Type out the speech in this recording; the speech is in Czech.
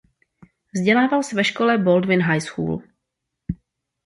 Vzdělával se ve škole Baldwin High School.